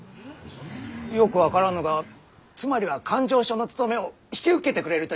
よく分からぬがつまりは勘定所の務めを引き受けてくれるということだな？